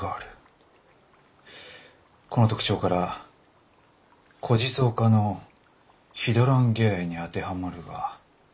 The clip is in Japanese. この特徴から虎耳草科のヒドランゲアエに当てはまるが。